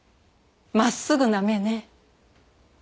真っすぐな目ね。